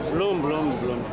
belum belum belum